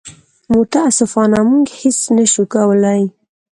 متاسفانه موږ هېڅ نه شو کولی.